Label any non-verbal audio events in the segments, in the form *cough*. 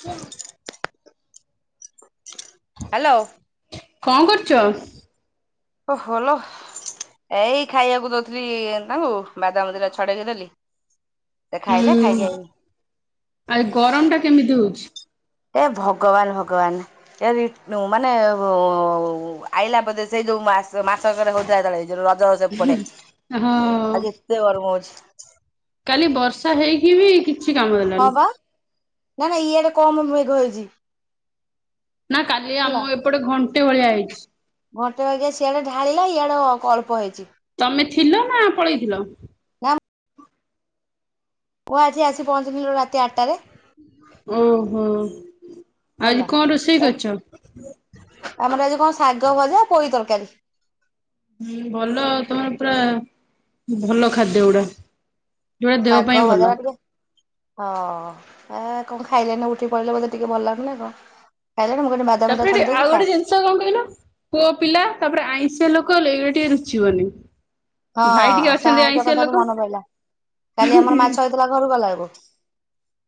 Hello. କଣ କରୁଛ? ଓହ ଲୋ। ଏଇ ଖାଇବାକୁ ଦଉଥିଲି ତାଙ୍କୁ ବାଦାମ ଦିଟା ଛଡେଇକି ଦେଲି। ସେ ଖାଇଲେ। ଖାଇକି ହୁଁ ଆଇଲି। ଆଉ ଗରମ ଟା କେମିତି ହଉଛି? ଏ ଭଗବାନ ଭଗବାନ। ଏ ମାନେ ଆଇଲା ବୋଧେ ସେଇ ଯୋଉ- ମାସ ମାସ ସାରା ହଉଥିଲା ଯେତେବେଳେ ରଜ ହ ସେ ପଟେ। ହଁ ଆଜି ଏତେ ଗରମ ହଉଛି। କାଲି ବର୍ଷା ହେଇକି ବି କିଛି କାମ ହଁ ଦେଲାନି। ବା ନା ନା ଇଆଡେ କମ୍ ମେଘ ହେଇଛି। ନା କାଲି ହେଲା ଆମ ଏପଟେ ଘଣ୍ଟେ ଭଳିଆ ହେଇଛି। ଘଣ୍ଟେ ବା ସିଆଡେ ଢାଳିଲା ଇଆଡେ ଅଳ୍ପ ହେଇଛି। ତମେ ଥିଲ ନା ପଳେଇଥିଲ। ପୁଅ ଆଜି ଆସି ପହଞ୍ଚିଥିଲୁ ରାତି ଆଠଟାରେ। ଉହୁଁ ହେଲା ଆଜି କଣ ରୋଷେଇ କରିଛ? ଆମର ଆଜି କଣ ଶାଗଭଜା ପୋଇତରକାରୀ। ହୁଁ ଭଲ ତମର ପୁରା ଭଲଖାଦ୍ୟ ଗୁଡା। ଯୋଉଟା ଦେହ ଶାଗ ପାଇଁ ଭଜା ଟା ଭଲ। ଟିକେ ହଁ ଏ କଣ ଖାଇଲେ ନା ଉଠିପଳେଇଲେ ବୋଧେ ଟିକେ ଭଲ ଲାଗୁନ କଣ। ଖାଇଲେଣି ମୁଁ କହିଲି ବାଦାମ ଦିଟା ତାପରେ ଏଠି ଛଡେଇ ଦଉଛି ଆଉ ଖା ଗୋଟେ ଜିନିଷ କଣ କହିଲ ପୁଅ ପିଲା ତାପରେ ଆଇଁଷି ଲୋକ। କହିଲେ ଏ ଟିକେ‌ ରୁଚିବନି। ଭାଇ ଟିକେ ହଁ ସେ ଅଛନ୍ତି ଆଇଷ ଆଇଁଷିଆ ଲୋକ କଥାାରୁୁ ମନେ ପଡିଲା। କାଲି ଆମର ମାଛ ହେଇଥିଲା ଘରୁ ଗଲାବେଳେକୁ।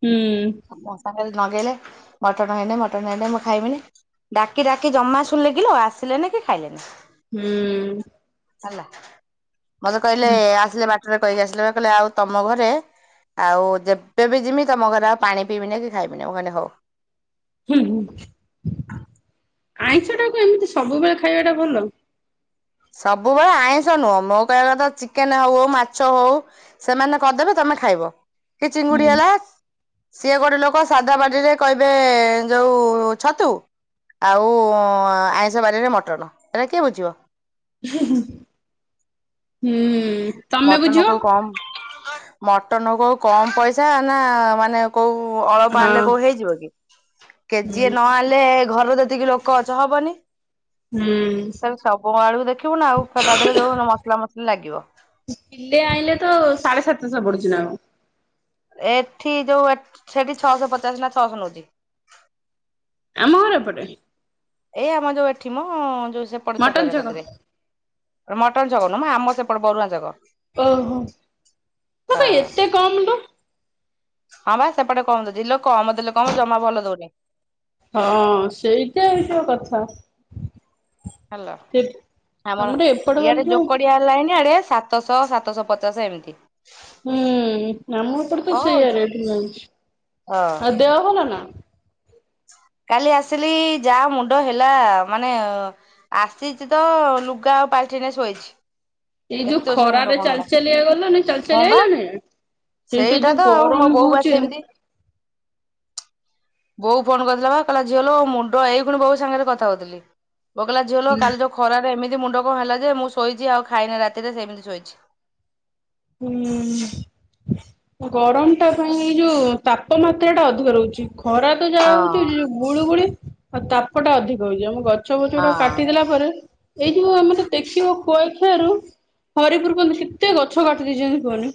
ହୁଁ। ରଗେଇଲେ। ମଟନ୍ ହେଇନି ମଟନ୍ ହେଇନି ମୁଁ ଖାଇବିନି। ଡାକି ଡାକି ଜମା ଶୁଣଲେକିଲ ଆସିଲେନି କି ଖାଇଲେନି। ହୁଁ। ହେଲା ମତେ କହିଲେ ଆସିଲେ ବାଟରେ କହିକି ଆସିଲେ ବା କହିଲେ ଆଉ ତମ ଘରେ ଆଉ ଯେବେ ବି ଜିମି ତମ ଘରେ ଆଉ ପାଣି ପିଇବିନି କି ଖାଇବିନି ମୁ କହିଲି ହଉ। ହୁଁ ହୁଁ ଆଇଁଷଟାକୁ ଏମିତି ସବୁବେଳେ ଖାଇବା ଟା ଭଲ ସବୁବେଳେ ଆଇଁଷ ନୁହଁ ମୋ କହିବା କଥା ଚିକେନ ହଉ ମାଛ ହଉ ସେମାନେ କରିଦେବେ ତ ତମେ ଖାଇବ କି ଚିଙ୍ଗୁଡି ହୁଁ। ହେଲା ସିଏ ଗୋଟେ ଲୋକ ସାଧା ବାରିରେ କହିବେ ଯୋଉ ଛତୁ ଆଉ ଆଇଁଷ ବାରରେ ମଟନ ଏଟା କିଏ ବୁଝିବ? ହୁଁ। ତମେ ମଟନ ବୁଝିବ କୋଉ କମ ମଟନ କୋଉ କମ ପଇସା ନା ମାନେ କୋଉ ଅଳ୍ପ ହଁ। ଆଣିଲେ କୋଉ ହେଇଯିବ କି କେଜିଏ ହୁଁ ନ ଆଣିଲେ ଘର ଏତିକି ଲୋକ ଅଛ ହବନି ହୁଁ ତାହାଲେ ସବୁ ଆଳୁ ଦେଖିବୁ ନା ଆଉ ତା ଦେହରେ ଯୋଉ ମସଲା ମସଲି ଲାଗିବ କିଲେ ଆଣିଲେ ତ ସାଢେ ସାତଶହ ପଡୁଛି ନା କଣ ଏଠି ଯୋଉ ଏ ଠ ସେଠି ଛଅଶହ ପଚାଶ ନା ଛଅଶହ ନେଉଛି। ଆମହର ଏପଟେ? ଏଇ ଆମ ଯୋଉ ଏଠି ମ ଯୋଉ ସେପଟ ମଟନ ଛକରେ ଛକ। କତିରେ ମଟନ ଛକ ନୁଁହ ମ ଆମର ସେପଟେ ବରୁଆ ଛକ। ଓହୋ ତୁ ହଁ କ ଏତେ କମ୍ ଲୋ? ହଁ ବା ସେପଟେ କମ ଦଉଛିଲୋ କମ ଦେଲୋ କମ ଜମା ଭଲ ଦଉନି। ହଁ ସେଇଟା ହେଇଥିବ କଥା ହାଲୋ ସେ ଆମର ଏପଟେ ଗଲେ ଇଆଡେ ଯୋଉ ଯୋକଡିଆ ଲାଇନି ଆଡେ ସାତ ସାତଶହ ସାତଶହ ପଚାଶ ଏମିତି ହୁଁ ଆମ ଏପଟେ ତ କଣ ସେଇଆ ହଉଚି ରେଟ ନୋଉଛି। ହଁ ଆଉ ଦେହ ଭଲା ନା? *inaudible* କାଲି ଆସିଲି ଯାହା ମୁଣ୍ଡ ହେଲା ମାନେ ଆସିଛି ତ ଲୁଗା ପା ପାଲଟିନି ଶୋଇଛି। ଏଇ ଏତେ ଯୋଉ ଜୋରସୋରେ ମୁଣ୍ଡ ଖରାରେ କଣ ଚାଲି ହେଲା ଚାଲିକା ଗଲୁନି ଚାଲି ହଁ ଚାଲିକା ବା ଆଇଲୁନି ନା ସେଇଟା ତ ଆଉ ମୋ ବୋଉ ବା ସେମିତି ବୋଉ ଫୋନ କରିଥିଲା ବା କହିଲା ଝିଅଲୋ ମୁଣ୍ଡ ଏଇଖୁଣି ବୋଉ ସାଙ୍ଗରେ କଥା ହଉଥିଲି। ବୋଉ କହିଲା ଝିଅ ଲୋ କାଲି ଯୋଉ ଖରାରେ ଏମିତି ମୁଣ୍ଡ କଣ ହେଲା ଯେ ମୁଁ ଶୋଇଛି ଆଉ ଖାଇନା ରାତିରେ ସେମିତି ଶୋଇଛି। ହୁଁ। ଗରମ ଟା ପାଇଁ ଏଇ ଯୋଉ ତାପମାତ୍ରା ଟା ଅଧିକ ରହୁଛି। ଖରା ତ ଯାହା ହଉଛି ହଁ ଯୋଉ ଗୁଳୁଗୁଳି ଆଉ ତାପଟା ଅଧିକ ହଉଛି। ଆମ ଗ ଗଛଫଛରା ହଁ। କାଟିଦେଲା ପରେ ଏଇ ଯୋଉ ଆମେ ଦେଖିବ ଖୁଆଇଖିଆରୁ ହରିପୁର ପନ୍ତ କେତେ ଗଛ କାଟି ଦେଇଚନ୍ତି କୁହନି।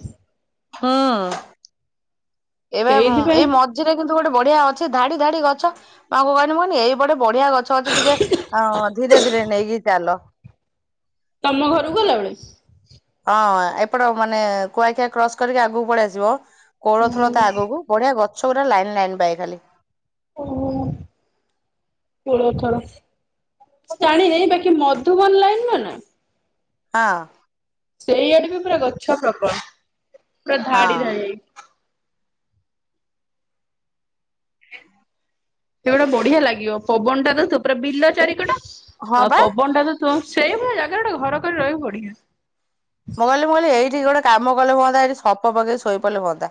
ହଁ। ଏବେ ସେଇଥିପାଇଁ ଏଇ ମଝିରେ କିନ୍ତୁ ଗୋଟେ ବଢିଆ ଅଛି ଧାଡି ଧାଡି ଗଛ ମୁ ଆଙ୍କୁ କହିଲି ଏଇ ପଟେ ବଢିଆ ଗଛ ଅଛି ଟିକେ ଅ ଧୀରେ ଧୀରେ ନେଇକି ଚାଲ। ତମ ଘରକୁ ଗଲାବେଳେ? ହଁ ଏପଟ ମାନେ କୁଆଖିଆ କ୍ରସ କରିକି ଆଗକୁ ପଳେଇଆସିବ କୋଳଥଳ ହୁଁ ତା ଆଗକୁ ବଢିଆ ଗଛ ଗୋଟା ଲାଇନ ଲାଇନ୍ ବାଏ ଖାଲି ଉହୁଁ। କୋଳଥଳ ମୁଁ ଜାଣିନେଇ ବାକି ମଧୁବନ ଲାଇନର ନା ହଁ। ସେଇଆଡେ ବି ପୁରା ଗଛ ପ୍ରବଳ ପୁରା ଧାଡି ହଁ। ଧାଡି ହେଇକି। ସେଗୁଡା ବଢିଆ ଲାଗିବ ପବନ ଟା ତ ପୁରା ବିଲ ଚାରି କଡ ହଁ ଆଉ ବା। ପବନ ଟା ତ ତ ସେ ଭଳିଆ ମୁଁ କହିଲି ମୁଁ କହିଲି ଏଠି ଗୋଡ଼ କାମ କଲେ ହୁଅନ୍ତା ଏଠି ସପ ପକେଇ ଶୋଇପଡ଼ିଲେ ହୁଅନ୍ତା।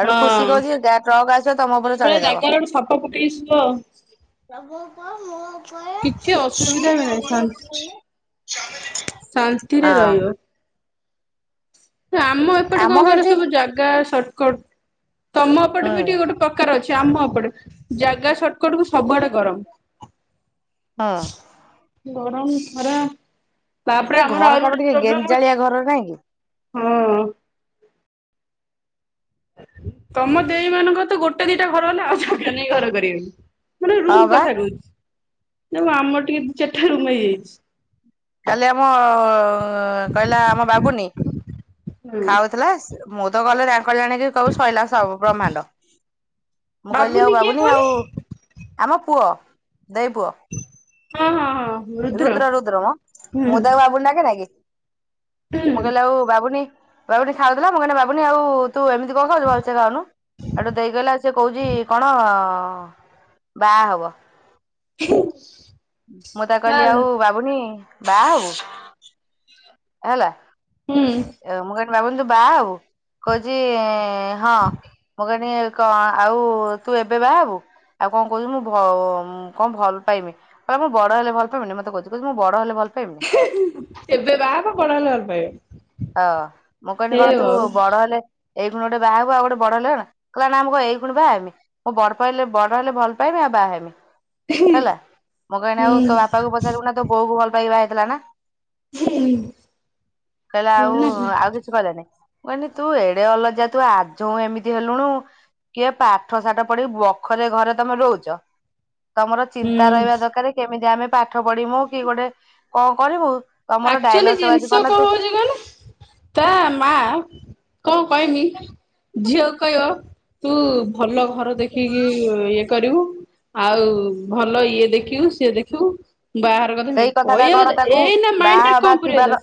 ଆଉଠୁ ଖୁସି ହଁ କହୁଛି, ଯାହା ଟ୍ରକ୍ ଆସିବ ତମ ଉପରେ ସେଇଭଳିଆ ଚଢେଇ ଦବ। ଜାଗାରେ ଗୋଟେ ଫଟୋ ପକେଇକି ଶୁଅ। ସବୁ *unintelligible* କିଛି କ ଅସୁବିଧା ବି ନାହିଁ ଶାନ୍ତି *unintelligible* ଶାନ୍ତିରେ ରହିବ। ଆମ ଏପଟେ କଣ ଆମର କହିଲ ଏଠି ସବୁ ଜାଗା ସର୍ଟକଟ, ତମ ଏପଟେ ବି ଟିକେ ହୁଁ ଗୋଟେ ପ୍ରକାର ଅଛି। ଚା ମ ଏପଡେ ଜାଗା ସଟକଟ କୁ ସବୁଆଡେ ଗରମ। ହଁ ଗରମ, ଖରା, ତାପରେ ଏ ଆମର ଘର ଆଉ ଟା ବି ଗୋଟେ ଟିକେ ପ୍ରୋବ୍ଲେମ ଗେଞ୍ଜାଳିଆ ଘର ନାଇଁ କି? ଅଛି। ହଁ ତମ ଦେଇ ମାନଙ୍କର ତ ଗୋଟେ ଦିଟା ଘର ହେଲା ଆଉ ଜାଗା ନାହିଁ ଘର କରିବାକୁ। ମାନେ ହଁ ରୁମ୍ ବା କଥା କହୁଛି, ଜା ହଉ ଆମର ଟିକେ ଦି ଚାରିଟା ରୁମ୍ ହେଇଯାଇଛି। କାଲି ଆମ କହିଲା ଆମ ବାବୁନୀ ହୁଁ ଖାଉଥିଲା। ମୁଁ ତ ଗଲେ କଲ୍ୟାଣୀ କୁ କହିବୁ, ସରିଲା ସବୁ ପ୍ର୍ରହମାଣ୍ଡ ମୁଁ କହିଲି ଆଉ କିଏ ବାବୁନି କହନି ଆଉ ଆମ ପୁଅ, ଦେଇ ପୁଅ ହଁ ହଁ ହଁ ରୁଦ୍ର ହୁଁ ମୁଁ ତାକୁ ବାବୁନି ଡାକେ ନା କି? ହୁଁ ମୁଁ କହିଲି, ଆଉ ବାବୁନୀ, ବାବୁନୀ ଖାଉଥିଲା ମୁଁ କହିଲି ବାବୁନୀ ଆଉ ତୁ ଏମିତି କଣ ଖାଉଛୁ, ଭଲସେ ଖାଉନୁ, ହେଠୁ ଦେଇ କହିଲା -ସିଏ କହୁଛି କଣ? ହଁ ବାହା ହବ। ହ *unintelligible* ମୁଁ ତାକୁ କହିଲି ଆଉ ବାବୁନି ବାହା ହବୁ, ହେଲା। ହୁଁ ମୁଁ କହିଲି, ବାବେନି ତୁ‌ ବାହା ହବୁ, କହୁଛି ହଁ ମୁଁ କହିନି, କଣ ଆଉ ତୁ ଏବେ ବାହା ହବୁ? ଆଉ କଣ କହୁଛି, ମୁଁ କଣ ଭଲ ପାଇମି, କହିଲ ମୁଁ ବଡ ହେଲେ ଭଲ ପାଇମିନି, ମତେ କହୁଛି କହୁ ମୁଁ ବଡ ହେଲେ ଭଲ ପାଇମିନି ଏବେ ବାହାହବ, ବଡ ହେଲେ ଭଲ ପାଇବ। ହଁ ମୁଁ କହିଲି, କଣ ଏଇ ତୁ ଆଉ ବଡ ହେଲେ ଏଇ କୁଣ ଗଟେ ବାହାଘକଆଉ ଗୋଟେ ବଡ ହେଲେ କ କିଲ ନା ଆମ କ ଏଇୁଣ ବାହା ଆମି ମୋ ବଡ ପାଇଲେ ବଡ ହେଲେ ଭଲ ପାଇବେ *unintelligible* ବାହେଁମି ହେଲା, ମୁଁ କହିଲି -ଆଉ ତୋ ହୁଁ ବାପା କୁ ପଚାରିବୁ ନା, ତୋ ବୋଉ କୁ ଭଲ ପାଇକି ବାହା ହେଇଥିଲା ନା ଜ ହିନ୍ଦ *unintelligible* କହିଲା ଆଉ, ଆଉ କିଛି କହିଲାନାଇ, ମୁଁ କହିଲି ତୁ ଏଡେ ଅଲଜା ତୁ ଆଜ ଏମିତି ହେଲୁଣୁ କିଏ ପାଠ ସାଠ ପଢିକି ବଖରେ ଘରେ ତମେ ରହୁଛ ତମର ଚିନ୍ତା ହୁଁ। ରହିବା ଦରକାର, କେମିତି ଆମେ ପାଠ ପଢମୁ, କି ଗୋଟେ କଣ କରିବୁ ତମର ଆକ୍ଚୁଆଲି ଡାଇଲଗ ସବୁ ଆଜି ଜିନିଷ ନା ତୁ କଣ ହଉଛି, କହିଲେ ତା ମା କଣ କହମି, ଝିଅକୁ କହିବ ତୁ ଭଲ ଘର ଦେଖିକି ଇଏ କରିବୁ। ଆଉ ଭଲ ଇଏ ଦେଖିବୁ, ସିଏ ଦେଖିବୁ ବାହାର କଥା, କହିବା କଥା ଏଇ ମାଇ ବା ଥିବାର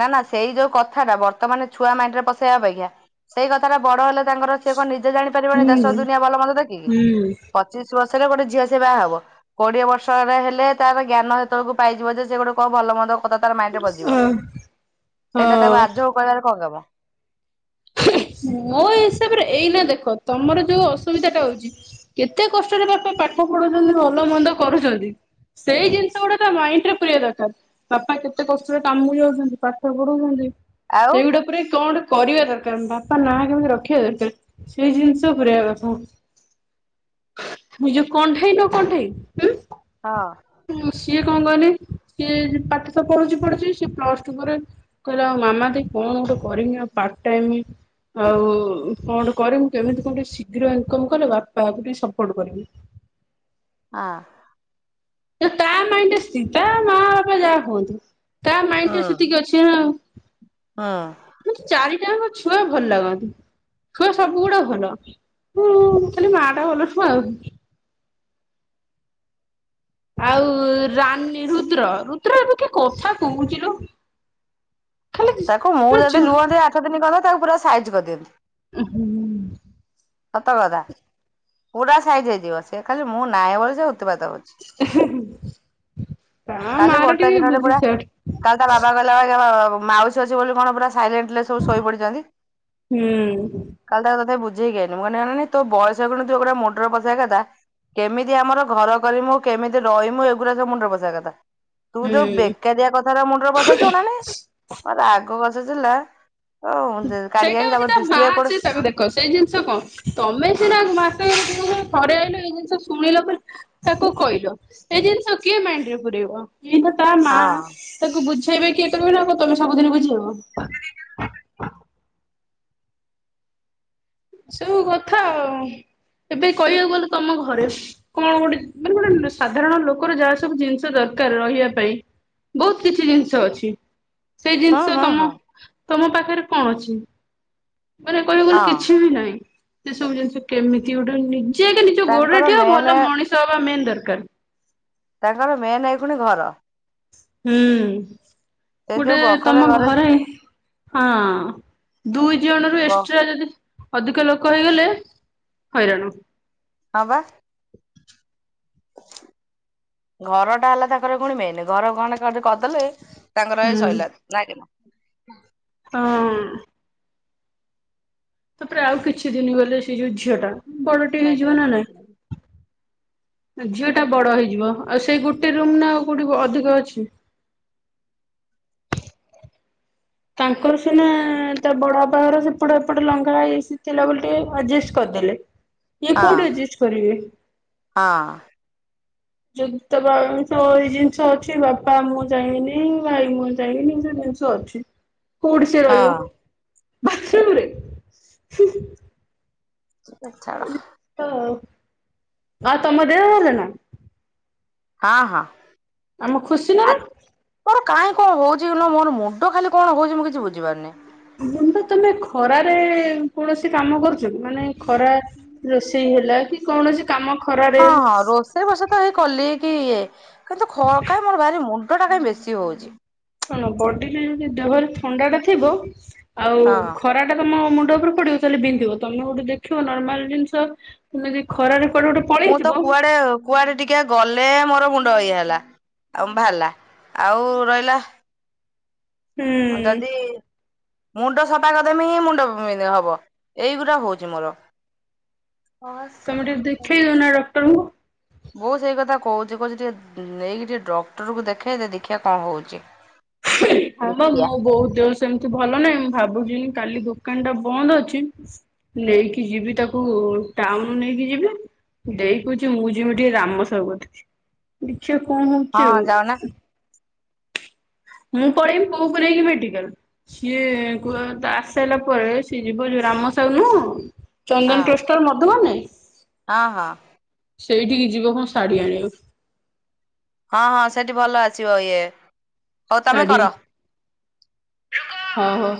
ନା, ନା ସେଇ ଯୋଉ କଥାଟା ବର୍ତ୍ତମାନ ଛୁଆ ମାଇଣ୍ଡ ରେ ପସେଇବା ଅପେକ୍ଷା, ସେଇ କଥା ଟା ବଡ ହେଲେ ତାଙ୍କର ସଣ ନିଜ ଜାଣି ପାରିବନି, ଦେଶ ହୁଁ ଦୁନିଆ ଭଲ ମନ୍ଦ ଦେଖିକି, ହୁଁ ପଚିଶ ବର୍ଷ ଯେତେ ବେଲେ ସେ ଗୋଟେ ଝିଅ ସେ ବାହାହବ, କୋଡିଏ ବର୍ଷରେ ହେଲେ, ତାର ଜ୍ଞାନ ତଳକୁ ପାଇଯିବ ଯେ- ସେ ଗୋଟେ କଣ ଭଲ ମନ୍ଦ କଥା ତାର ମାଇଣ୍ଡରେ ବଜିବ, ଅ ସେଇଟା ତାକୁ ହଁ ଆଯ୍ୟ ହ କହିବାରେ କଣ କାମ? *inaudible* ମୋ ହିସାବରେ ଏଇନା ଦେଖ, ତମର ଯୋଉ ଅସୁବିଧା ଟା ହଉଛି, କେତେ କଷ୍ଟରେ ବାପ ପାଠ ପଢୁଉଚନ୍ତି, ଭଲ ମନ୍ଦ କରୁଛନ୍ତି। ସେଇ ଜିନିଷ ଗୁଡା ତା ମାଇଣ୍ଡ ରେ ପୁରେଇବା ଦରକାର, ବାପା କେତେ କଷ୍ଟରେ କାମ କୁ ଯାଉଛନ୍ତି, ପାଠ ପଢଉଛନ୍ତି, ଆଉ ସେଇଗୁଡା ଉପରେ କଣ କରିବା ବାପା ନା କେମିତି ରଖିବା ଦରକାର, ସେଇ ଜିନିଷ ପୁରେଇବା କଥା। ନିଁ ଯୋଉ କଣ୍ଢେଇ ନୁହଁ କଣ୍ଢେଇ ହୁଁ ହଁ। ସିଏ କଣ କୁହନି ସିଏ ପାଠଶ ପଢୁଚି ପଢୁଚି ସି ପ୍ଲସ ଟୁ ପରେରେ କହିଲା ଆଉ ମାମା ଦିଦି କଣ କଣ କରିବି ପାର୍ଟ ଟାଇମ୍ ଆଉ କଣ କରମୁ କେମିତି କଣ ଟିକେ ଶୀଘ୍ର ଇନକମ କଲେ ବାପାକୁ ଟିକେ ସପୋର୍ଟ କରିମି ଆହ। ତ ତା ମାଇଣ୍ଡରେ ସ୍ଥିତା ମା ବାପା ଯାହା କୁହନ୍ତୁ ତା ମାଇଣ୍ଡ ଟା ସେତିକି ଅଛି ନା ହଁ। ତାଙ୍କ ଛୁଆ ଭଲ ଲାଗନ୍ତି। ଛୁଆ ସବୁ ଗୁଡା ଭଲ ଉଁ ଖାଲି ମା ଟା ଭଲ ନୁହେଁ ଆଉ ଆଉ ରାନୀ ରୁଦ୍ର ରୁଦ୍ର ଏବେ କି କଥା କହୁଚି ଲୋ ଖାଲି ତାକୁ ମୁଁ ମାନେ ଯଦି ଚୁ ରୁହନ୍ତି ଆଠ ଦିନ କରନ୍ତ ତାକୁ ପୁରା ସାଇଜ୍ କରିଦିଅନ୍ତି। ଉହୁଁ ସତ କଥା ପୁରା ସାଇଜ ହେଇଯିବ ସେ ଖାଲି ମୁଁ ନାହିଁ ବୋଲି ଉତୁପାତେ ହୋଉଚି। ତା ମା କାଲି ର ଗୋଟେ ଟିକେ ଦିନରେ ବୁଦ୍ଧି ପୁରା ସଟ୍ କାଲି ତା ବାବା କହିଲା *unintelligible* ମାଉସୀ ଅଛି ବୋଲି କଣ ପୁରା ସାଇଲେଣ୍ଟଲି ସବୁ ଶୋଇ ପଡିଛନ୍ତି ହୁଁ। କାଲି ତାକୁ ତଥାପି ବୁଝ୍ ମୁଁ କହିଲି ଅନାନି ବୟସ ବେଳୁ ତୁ ଏଇ ଗୁଡ଼ା ମୁଣ୍ଡର ବସେଇବା କଥା କେମିତି ଆମର ଘର କରିମୁ କେମିତି ରହିମୁ ଏଗୁରା ସବୁ ମୁଣ୍ଡରେ ପସେଇବା କଥା। ତୁ ଯୋଉ ହୁଁ ବେକାରିଆ କଥାରା ମୁଣ୍ଡରେ ପସେଇଚୁ ଅନାନୀ ମୋ ରାଗ ବସୁଥିଲା ସେଇଟା ହୋଉଚି ତା ମା କୋଉଠି ଅଛି ତାକୁ ଦେଖ ସେଇ ଜିନିଷ କଣ ତମେ ସିନା ମାସକେରେ ଦିନକରେ ଥରେ ଆଇଲ ଏଇ ଜିନିଷ ଶୁଣିଲ ବୋଲି ତାକୁ କହିଲ ଏ ଜିନିଷ କିଏ ମାଇଣ୍ଡରେ ପୁରେଇବ? ତା ମା ହଁ ତାକୁ ବୁଝେଇବେ କିଏ କରିବେ ନା ତମେ ସବୁଦିନ ବୁଝେଇବ? *inaudible* ସବୁ କଥା ଆଉ। ଏବେ କହିବାକୁ ଗଲେ ତମ ଘରେ କଣ ଗୋଟେ ମାନେ ଗୋଟେ ସାଧାରଣ ଲୋକର ଯାହା ସବୁ ଜିନିଷ ଦର ଦରକାର ରହିବା ପାଇଁ ବହୁତ କିଛି ଜିନିଷ ଅଛି। ସେଇ ହୁଁ ଜିନିଷ ହୁଁ ତମ ହୁଁ ତମ ପାଖରେ କଣ ଅଛି। ମାନେ କହିବାକୁ ଗଲେ ହଁ କିଛି ବି ସେ ସବୁ ଜିନିଷ କେମିତି ଗୋଟେ ନି ସିଏ ଆଗେ ନିଜ ଗୋଡରେ ତାଙ୍କର ଠିଆହ ମେନେ ଭଲ ମଣିଷ ହବା ମେନ୍ ଦରକାର। ତାଙ୍କର ମେନ୍ ଏଇଖୁଣି ଘର। ହୁଁ ସେ ଯୋଉ ଗୋଟେ ବଖରା ତମ ଘରେ ହଁ ଦୁଇ ଜଣରୁ ହଁ ଏକ୍ସଟ୍ରା ଯଦି ଅଧିକ ଲୋକ ହେଇଗଲେ ହଇରାଣ। ହଁ ପା। ଘର ଟା ହେଲା ତାଙ୍କର ଫୁଣି ମେନ୍ ଘର ଖଣ୍ଡେ ଖାଲି କର ଦେଲେ ତାଙ୍କର ଏ ହୁଁ। ସଇଲା ନାଇଁ କି ନା? ହଁ। ତାପରେ ଆଉ କିଛି ଦିନି ଗଲେ ସେଇ ଯଉ ଝିଅ ଟା ବଡ ଟେ ଲାଇଟ ହେଇଯିବ ନା ହଁ ନାଇଁ? ଝିଅଟା ବଡ ହେଇଯିବ ଆଉ ସେଇ ଗୋଟେ ରୁମ୍ ନା ଆଉ କୋଉଠି ଅଧିକ ଅଛି? *inaudible* ତାଙ୍କର ସିନା ତା ବଡ ବାପା ଘର ସେପଟ ଏପଟ ଲଙ୍ଗଳା ହେଇସି ଥିଲା ବୋଲି ଟିକେ ଆଡଜଷ୍ଟ କରି କଦେଲେ ଇଏ କୋଉଠି ଏଡଜଷ୍ଟ କରିବେ? ହଁ ଯଦି ତମ ଏଇ ଜିନିଷ ଅଛି ବାପା ମୁହଁ ଚାହିଁବିନି ଭାଇ ମୁହଁ ଚାହିଁବିନି ଜିନ୍ସ ଅଛି। କୋଉଠି ସେ ରହିବ? ହଁ ବାଥରୁମ୍ ରେ? ହୁଁ ହୁଁ। ହେ ଛାଡ। ଆଉ ତମ ଦେହ ଭଲ ନା? ହଁ ହଁ। ଆମ ଖୁସିନା ଆ ର। ମୋର କାହିଁ କଣ ହଉଛି କହିଲ ମୋର ମୁଣ୍ଡ ଖାଲି କଣ ହଉଛି ମୁଁ କିଛି ବୁଝିପାରୁନି। ମୁଣ୍ଡ ତମେ ଖରାରେ କୌଣସି କାମ କରୁଚ କି ମାନେ ଖରା ରୋଷେଇ ହେଲା କି କୌଣସି। କାମ ଖରାରେ ହଁ ହଁ ରୋଷେଇ ବାସ ତ ହେଇ କଲି କି ଇଏ କିନ୍ତୁ ଖ କାଇଁ ମୋର ଭାରି ମୁ ମୁଣ୍ଡଟା କାଇଁ ବେଶୀ ହଉଚି। କଣ ବଡି ଲି କି ଦେହ ରେ ଦେହରେ ଥଣ୍ଡା ଟା ଥିବ ଆଉ ହଁ ଖରା ଟା ତମ ମୁଁ ମୁଣ୍ଡ ଉପରେ ପଡିବ ତାହଲେ ବିନ୍ଧିବ ତମେ ଗୋଟେ ଦେଖିବ ନର୍ମାଲ ଜିନିଷ ତମେ ଜଦି ଖରାରେ କୁଆଡେ ଗୋଟେ ମୁଁ ତ ପଳେଇଥିବ ହୁଁ କୁଆଡେ କୁଆଡେ ଟିକେ ଗଲେ ଏ ମୋର ମୁଣ୍ଡ ଇଏ ହେଲା ଆଉ ବାହାରିଲା ଆଉ ରହିଲା। ଯଦି। ମୁଣ୍ଡ ସଫା କରିଦେମି ମୁଣ୍ଡ ବିନ୍ଧା ହବ ଏଇଗୁରା ହଉଛି ମୋର। ହଁ ସ। ତମେ ଟିକେ ଦେଖେଇ ଦଉନା ଡକ୍ଟରଙ୍କୁ। ବୋଉ ସେଇ କଥା କହୁଛି କହୁଛି ଟିକେ ନ ନେଇକି ଟିକେ ଡକ୍ଟରକୁ ଦେଖେଇଲେ ଦେଖିବା କଣ ହଉଛି। ହଁ ବା ଦେଖିଆ। ମୋ ବୋଉ ଦୋ ସେମିତି ଭଲ ନାହିଁ ମୁଁ ଭାବୁଛିି କାଲି ଦୋକାନ ଟା ବନ୍ଦ ଅଛି ନେଇକି ଯିବି ତାକୁ। ଟାଉନ ନେଇକି ଯିବି ଦେଇ କହୁଛି ମୁଁ ଯିବି ଟିକେ ରାମ ସାହୁ କତିକି। ଦେଖିଆ କଣ ହଉଛି ହଁ ଆଉ। ଯାଉନା ମୁଁ ପଳେଇମି ବୋଉ କୁ ନେଇକି ମେଡିକଲ ସିଏ କୁହ ତ ଆସି ସାଇଲା ପରେ ସିଏ ଯିବ ଯୋଉ ରାମ ସାହୁ ନୁହଁ ହଁ ଚନ୍ଦନ ଟୋଷ୍ଟର ମଧୁ ବନ ନାହିଁ। ହଁ ହଁ ସେଇଠିକି ଯିବ କଣ ଶାଢୀ ଆଣିବାକୁ। ହଁ ହଁ ସେଠି ଭଲ ଆସିବ ଇଏ। ହଉ ତମେ ସାଡି କର। ହଉ ହଉ।